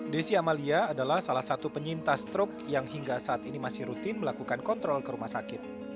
desi amalia adalah salah satu penyintas strok yang hingga saat ini masih rutin melakukan kontrol ke rumah sakit